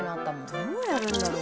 どうやるんだろう？